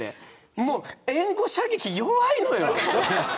もう援護射撃、弱いのよ。